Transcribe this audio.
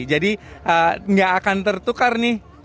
jadi tidak akan tertukar nih